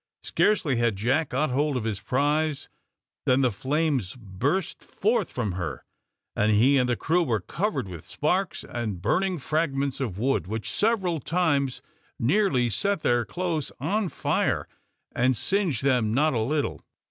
Scarcely had Jack got hold of his prize than the flames burst forth from her, and he and the crew were covered with sparks and burning fragments of wood, which several times nearly set their clothes on fire and singed them not a little.